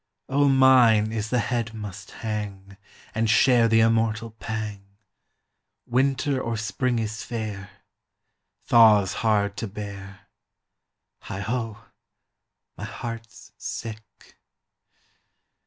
O mine is the head must hang And share the immortal pang! Winter or spring is fair; Thaw 's hard to bear. Heigho! my heart 's sick.